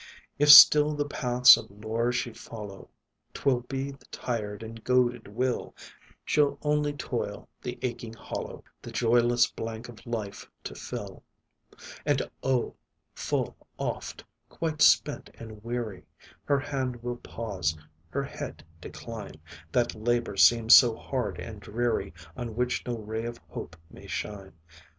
If still the paths of lore she follow, 'Twill be with tired and goaded will; She'll only toil, the aching hollow, The joyless blank of life to fill. And oh! full oft, quite spent and weary, Her hand will pause, her head decline; That labour seems so hard and dreary, On which no ray of hope may shine.